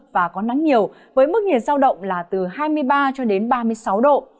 và có nắng nhiều với mức nhiệt giao động là từ hai mươi ba ba mươi sáu độ